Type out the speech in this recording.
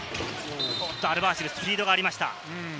アルバーシル、スピードがありました。